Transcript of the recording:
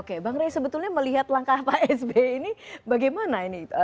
oke bang rey sebetulnya melihat langkah pak sby ini bagaimana ini